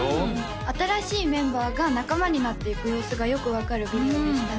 新しいメンバーが仲間になっていく様子がよく分かるビデオでしたね